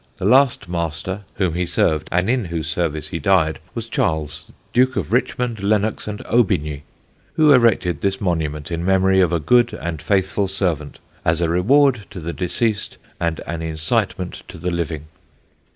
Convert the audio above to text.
The last master whom he served, and in whose service he died, was CHARLES, Duke of RICHMOND, LENNOX, and AUBIGNY, who erected this monument in memory of a good and faithful servant, as a reward to the deceased, and an incitement to the living.